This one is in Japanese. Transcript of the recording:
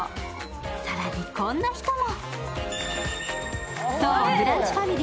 更にこんな人も。